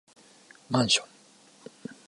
マンション